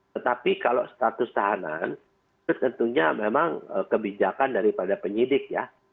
tetapi kalau status tahanan itu tentunya memang kebijakan daripada penyidik ya